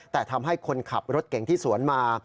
แต่ทำให้คนขับรถเก่งที่สวนมา